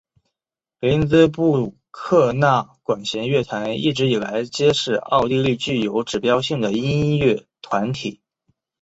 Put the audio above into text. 林兹布鲁克纳管弦乐团一直以来皆是奥地利具有指标性的音乐团体。